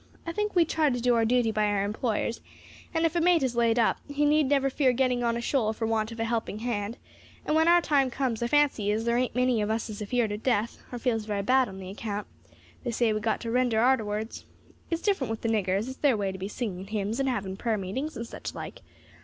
I think we try to do our duty by our employers, and if a mate is laid up, he need never fear getting on a shoal for want of a helping hand; and when our time comes, I fancy as there ain't many of us as is afeared of death, or feels very bad about the account they say we have got to render arterwards. It's different with the niggers; it's their way to be singing hymns and having prayer meetings, and such like.